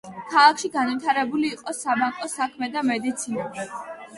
ქალაქში განვითარებული იყო საბანკო საქმე და მედიცინა.